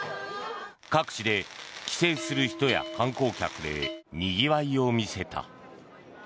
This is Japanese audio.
各地で帰省する人や観光客でにぎわいを見せた。